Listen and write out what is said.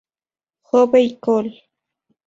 Hove y col.